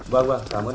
vâng vâng cảm ơn anh